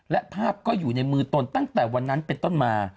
และภาพก็อยู่ในมือตนตั้งแต่วันนั้นเป็นต้นมา